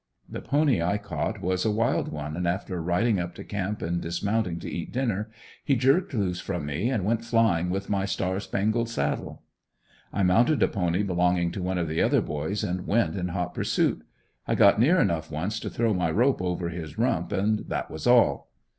The pony I caught was a wild one and after riding up to camp and dismounting to eat dinner, he jerked loose from me and went a flying with my star spangled saddle. I mounted a pony belonging to one of the other boys and went in hot pursuit. I got near enough once to throw my rope over his rump and that was all.